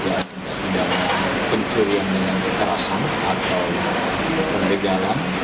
kaitannya dengan juga pencurian dengan kekerasan atau pembegalan